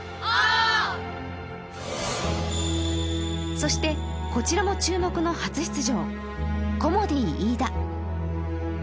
そして、こちらも注目の初出場コモディイイダ。